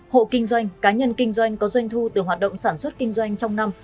hộ kinh doanh cá nhân kinh doanh có doanh thu từ hoạt động sản xuất kinh doanh trong năm